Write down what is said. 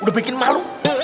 udah bikin malu